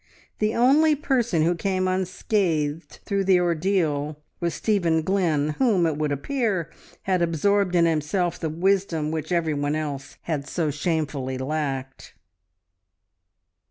The only person who came unscathed through the ordeal was Stephen Glynn, whom, it would appear, had absorbed in himself the wisdom which every one else had so shamefully lacked.